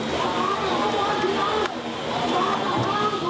สีชมพูแบบนี้